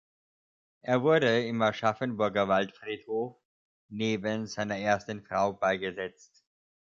Er wurde im Aschaffenburger Waldfriedhof neben seiner ersten Frau beigesetzt.